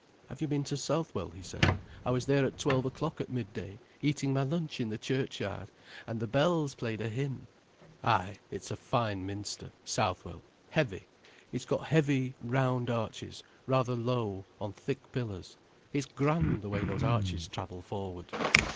"Have you been to Southwell?" he said. "I was there at twelve o'clock at midday, eating my lunch in the churchyard. And the bells played a hymn. "Ay, it's a fine Minster, Southwell, heavy. It's got heavy, round arches, rather low, on thick pillars. It's grand, the way those arches travel forward.